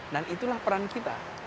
dan itulah peran kita